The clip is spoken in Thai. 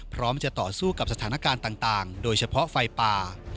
พร้อมจะต่อสู้กับสถานการณ์ต่างโดยเฉพาะไฟป่า